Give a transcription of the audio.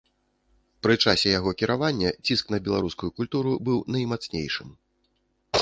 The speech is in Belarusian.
Пры часе яго кіравання ціск на беларускую культуру быў наймацнейшым.